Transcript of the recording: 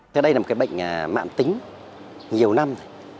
thế đây là một cái bệnh mạng tính nhiều năm rồi